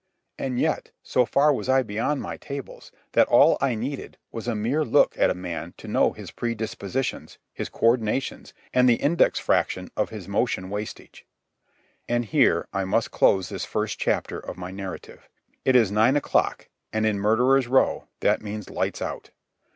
And yet, so far was I beyond my tables, that all I needed was a mere look at a man to know his predispositions, his co ordinations, and the index fraction of his motion wastage. And here I must close this first chapter of my narrative. It is nine o'clock, and in Murderers' Row that means lights out.